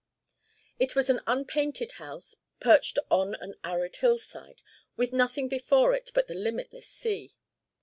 It was an unpainted house perched on an arid hillside, with nothing before it but the limitless sea.